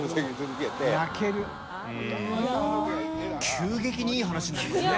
急激にいい話になりましたね。